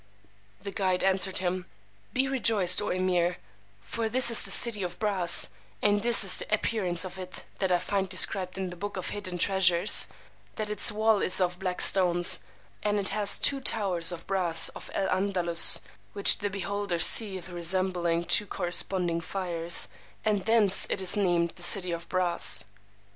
The guide answered him, Be rejoiced, O Emeer; for this is the City of Brass, and this is the appearance of it that I find described in the Book of Hidden Treasures; that its wall is of black stones, and it hath two towers of brass of El Andalus, which the beholder seeth resembling two corresponding fires; and thence it is named the City of Brass.